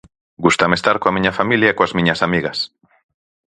Gústame estar coa miña familia e coas miñas amigas.